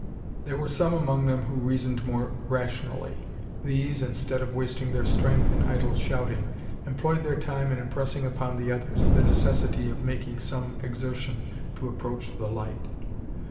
There were some among them who reasoned more rationally. These, instead of wasting their strength in idle shouting, employed their time in impressing upon the others the necessity of making some exertion to approach the light.